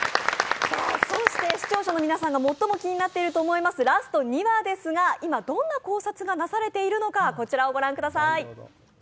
そして視聴者の皆さんが最も気になっていると思われますラスト２話ですが、今どんな考察がなされているのか、ご覧ください。